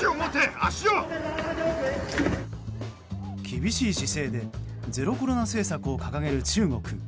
厳しい姿勢でゼロコロナ政策を掲げる中国。